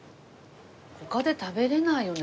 他で食べれないよね